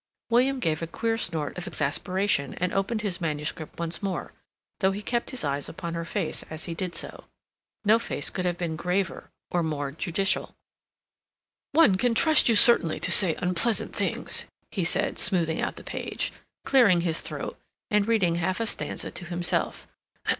William gave a queer snort of exasperation, and opened his manuscript once more, though he kept his eyes upon her face as he did so. No face could have been graver or more judicial. "One can trust you, certainly, to say unpleasant things," he said, smoothing out the page, clearing his throat, and reading half a stanza to himself.